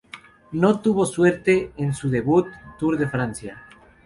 No tuvo suerte en su debut Tour de Francia.